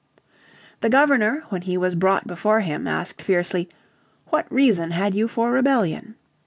The Governor, when he was brought before him, asked fiercely: "What reason had you for rebellion?"